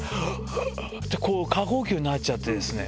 こう、過呼吸になっちゃってですね。